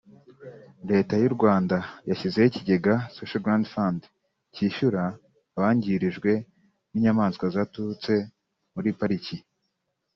Leta y’u Rwanda yashyizeho ikigega Social Grant Fund cyishyura abangirijwe n’inyamaswa zaturutse muri Pariki